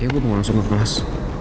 iya gue mau langsung ke kelas